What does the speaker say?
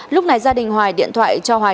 lúc này gia đình hoài điện thoại cho hoài